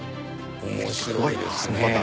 面白いですね。